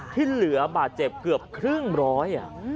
ที่เหลือบาดเจ็บเกือบครึ่งร้อย